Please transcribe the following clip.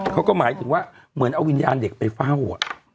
เขาก็หมายถึงว่าเหมือนเอาวิญญาณเด็กไปเฝ้า